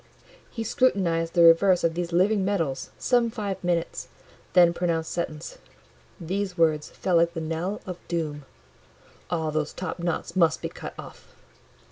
He scrutinised the reverse of these living medals some five minutes, then pronounced sentence. These words fell like the knell of doom— "All those top knots must be cut off."